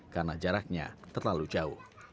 karena jaraknya terlalu jauh